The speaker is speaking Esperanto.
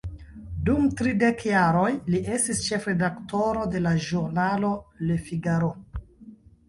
Dum tridek jaroj, li estis ĉefredaktoro de la ĵurnalo "Le Figaro".